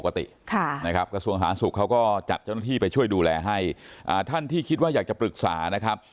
นะครับกระทรวงสาธารณสุขเขาก็จัดเจ้าหน้าที่ไปช่วยดูแลให้ท่านที่คิดว่าอยากจะปรึกษานะครับ